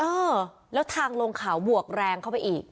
เออแล้วทางลงเขาบวกแรงเข้าไปอีก